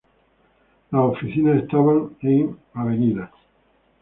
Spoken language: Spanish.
Las oficinas estaban en Av.